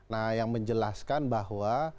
nah yang menjelaskan bahwa